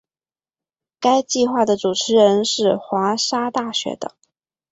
该计画的主持人是华沙大学的。